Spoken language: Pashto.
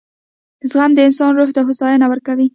• زغم د انسان روح ته هوساینه ورکوي.